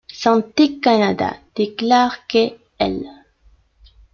Santé Canada déclare que l'.